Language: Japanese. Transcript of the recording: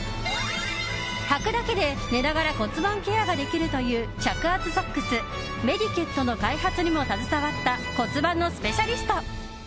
はくだけで寝ながら骨盤ケアができるという着圧ソックス、メディキュットの開発にも携わった骨盤のスペシャリスト。